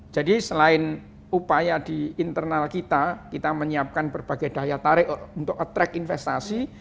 jadi selain upaya di internal kita kita menyiapkan berbagai daya tarik untuk attract investasi